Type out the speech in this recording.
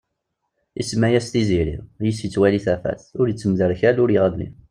Isemma-yas Tiziri, yiss ittwali tafat. Ur ittemderkal ur iɣelli.